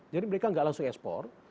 jadi mereka gak langsung ekspor